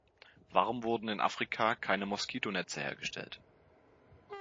Warum wurden in Afrika keine Moskitonetze hergestellt?